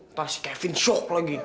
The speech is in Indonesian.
ntar si kevin shock lagi